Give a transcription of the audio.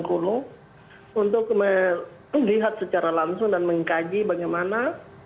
untuk melihat secara langsung dan mengkaji bagaimana